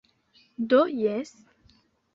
Do jes...